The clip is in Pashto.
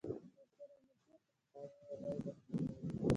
تر ټولو نږدې خپل يې لوی دښمن وي.